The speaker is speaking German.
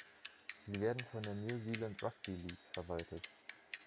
Sie werden von der New Zealand Rugby League verwaltet.